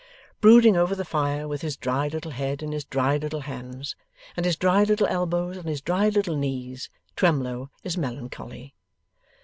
Brooding over the fire, with his dried little head in his dried little hands, and his dried little elbows on his dried little knees, Twemlow is melancholy.